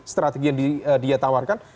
strategi yang dia tawarkan